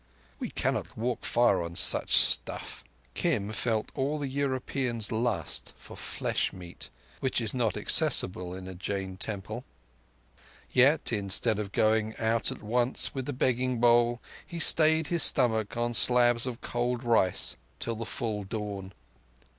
"We cannot walk far on such stuff." Kim felt all the European's lust for flesh meat, which is not accessible in a Jain temple. Yet, instead of going out at once with the begging bowl, he stayed his stomach on slabs of cold rice till the full dawn.